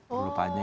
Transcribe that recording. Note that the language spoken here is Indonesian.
oh terlalu panjang